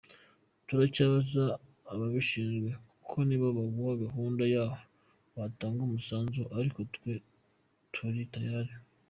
Turacyabaza ababishinzwe kuko nibo baguha gahunda yahoo watanga umusanzu ariko twe turi tayari.